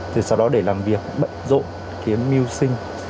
rồi sau đó để làm việc bận rộn kiếm mưu sinh